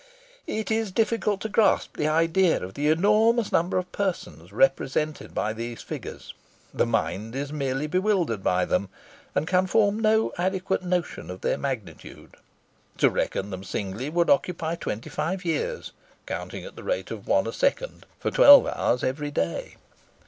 It is difficult to grasp the idea of the enormous number of persons represented by these figures. The mind is merely bewildered by them, and can form no adequate notion of their magnitude. To reckon them singly would occupy twenty five years, counting at the rate of one a second for twelve hours every day.